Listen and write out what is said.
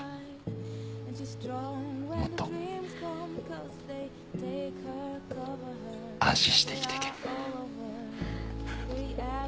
もっと安心して生きていけ。